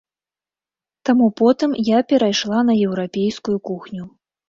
Таму потым я перайшла на еўрапейскую кухню.